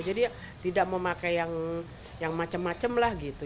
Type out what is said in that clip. jadi tidak mau pakai yang macem macem lah gitu